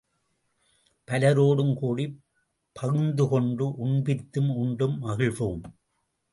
பலரோடும் கூடிப் பகுத்துக்கொண்டு, உண்பித்தும் உண்டும் மகிழ்வோம்!